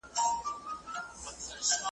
که په ریشتیا وای د شنو زمریو ,